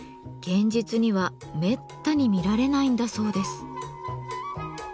現実にはめったに見られないんだそうです。